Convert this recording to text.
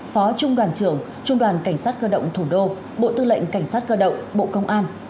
phó trung đoàn trưởng trung đoàn cảnh sát cơ động thủ đô bộ tư lệnh cảnh sát cơ động bộ công an